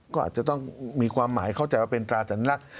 ก็อาจจะต้องมีความหมายเข้าใจว่าเป็นตราสัญลักษณ์